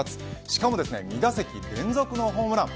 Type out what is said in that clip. しかも２打席連続のホームラン。